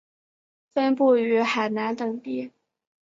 分布于海南等地。